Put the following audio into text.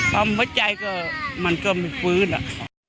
ปั๊มหัวใจก็มันก็ไม่ฟื้นอ่ะ